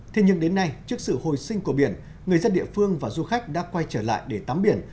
thế nhưng đến nay trước sự hồi sinh của biển người dân địa phương và du khách đã quay trở lại để tắm biển